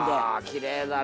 きれいだね。